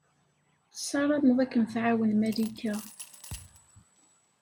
Tessarameḍ ad kem-tɛawen Malika.